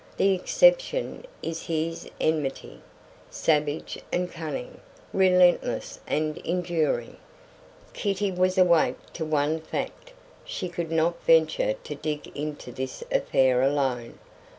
The exception is his enmity, savage and cunning, relentless and enduring. Kitty was awake to one fact. She could not venture to dig into this affair alone.